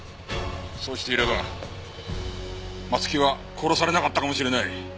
そうしていれば松木は殺されなかったかもしれない。